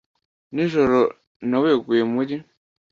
Nijoro naweguye muri .